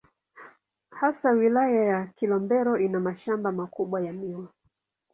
Hasa Wilaya ya Kilombero ina mashamba makubwa ya miwa.